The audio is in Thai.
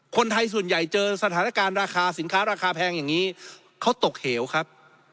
คนไทยส่วนใหญ่เจอสถานการณ์ราคาสินค้าราคาแพงอย่างนี้เขาตกเหวครับ